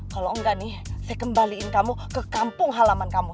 kalau enggak nih saya kembaliin kamu ke kampung halaman kamu